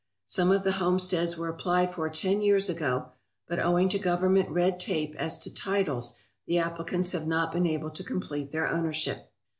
Some of the homesteads were applied for ten years ago, but owing to government red tape as to titles the applicants have not been able to complete their ownership.